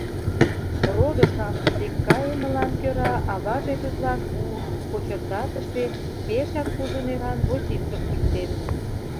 Родо-шамыч дек кайымылан кӧра аваже тудлан у, кочыртатыше, пешак кужу неран ботинкым чиктен.